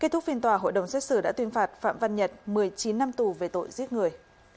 tuyên phạt phạm văn nhật một mươi chín năm tù về tội giết người